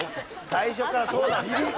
最初からそうなんだよ。